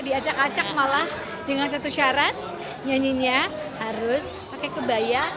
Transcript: diacak acak malah dengan satu syarat nyanyinya harus pakai kebaya